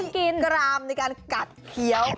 กินกรามในการกัดเคี้ยว